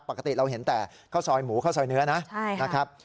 ปกติเราเห็นแต่ข้าวซอยหมูข้าวซอยเนื้อนะนะครับ